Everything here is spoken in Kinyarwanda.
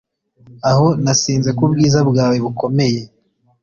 aho nasinze kubwiza bwawe bukomeye